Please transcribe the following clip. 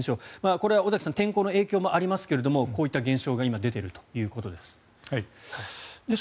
これは尾崎さん天候の影響もありますがこういった減少が今、出ているということです。